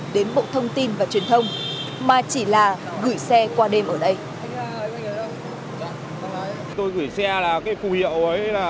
đến bộ thông tin và truyền thông mà chỉ là gửi xe qua đêm ở đây